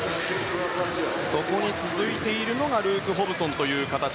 そこに続いているのがルーク・ホブソンという形。